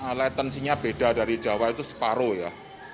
pernah di jawa ini latensinya beda dari jawa itu separuh ya